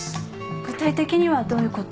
具体的にはどういうことを？